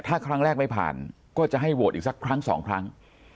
ถ้าครั้งแรกไม่ผ่านก็จะให้โหวตอีกสักครั้งสองครั้ง